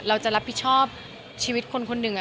เราจะรับผิดชอบชีวิตคนคนหนึ่ง